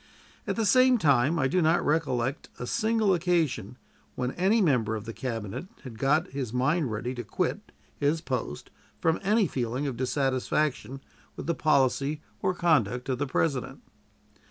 At the same time I do not recollect a single occasion when any member of the Cabinet had got his mind ready to quit his post from any feeling of dissatisfaction with the policy or conduct of the President.